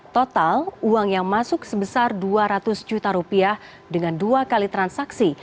total uang yang masuk sebesar dua ratus juta rupiah dengan dua kali transaksi